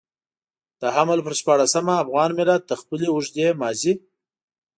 د حمل پر شپاړلسمه افغان ملت د خپلې اوږدې ماضي.